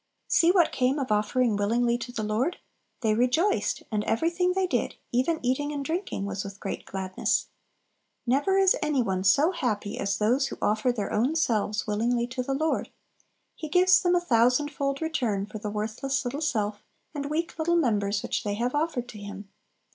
See what came of offering willingly to the Lord they "rejoiced," and everything they did, even eating and drinking, was "with great gladness." Never is any one so happy as those who offer their own selves willingly to the Lord. He gives them a thousandfold return for the worthless little self and weak little members which they have offered to Him.